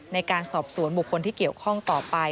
ในการสอบสวนบุคคลที่เกี่ยวข้องต่อไป